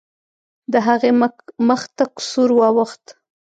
د هغې مخ تک سور واوښت.